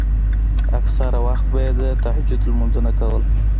اکثره وخت به يې د تهجد لمونځونه کول.